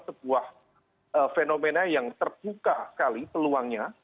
sebuah fenomena yang terbuka sekali peluangnya